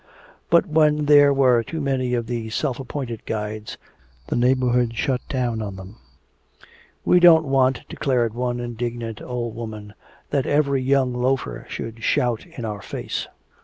But when there were too many of these self appointed guides, the neighborhood shut down on them. "We don't want," declared one indignant old woman, "that every young loafer should shout in our face!"